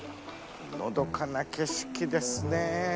のどかな景色ですね。